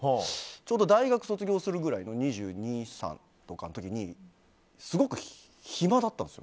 ちょうど大学卒業するぐらいの２２２３とかの時にすごく、暇だったんです。